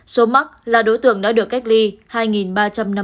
số mắc là đối tượng đã được cách ly hai ba trăm năm mươi chín ca